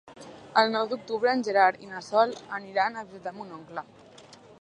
El nou d'octubre en Gerard i na Sol aniran a visitar mon oncle.